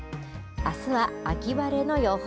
あすは秋晴れの予報。